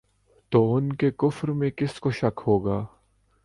تو ان کے کفر میں کس کو شک ہوگا